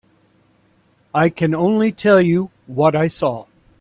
I can only tell you what I saw.